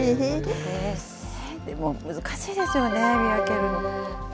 でも難しいですよね、見分けるの。